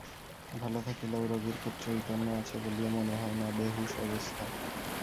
ভালো থাকিলেও রোগীর খুব চৈতন্য আছে বলিয়া মনে হয় না, বেহুঁশ অবস্থা।